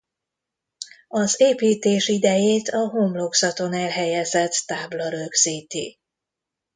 Az építés idejét a homlokzaton elhelyezett tábla rögzíti.